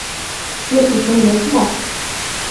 — Пӧртым чоҥет мо?